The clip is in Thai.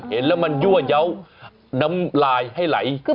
เห็นแล้วมันยั่วเยาว์น้ำลายให้ไหล